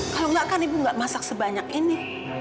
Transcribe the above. kalau enggak kan ibu nggak masak sebanyak ini